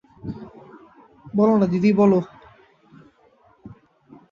বলো না দিদি বলো।